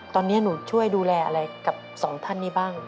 ตอนนี้หนูช่วยดูแลอะไรกับสองท่านนี้บ้าง